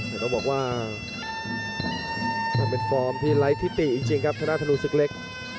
แล้วก็บอกว่ามันเป็นฟอร์มที่ไร้ทิตย์จริงครับทะนุศึกเล็ก